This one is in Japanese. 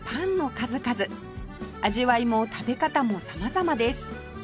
味わいも食べ方も様々です